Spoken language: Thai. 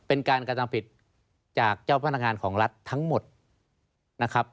เป็นการกระทำผิดจากเจ้าพนักงานของรัฐทั้งหมดนะครับ